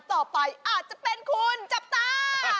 โอ้โหมองไม่เห็นคุณเลยเนี่ย